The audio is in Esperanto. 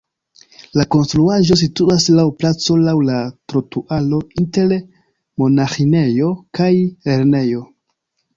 La konstruaĵo situas laŭ placo laŭ la trotuaro inter monaĥinejo kaj lernejo.